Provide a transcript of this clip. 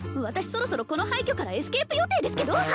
私そろそろこの廃虚からエスケープ予定ですけど？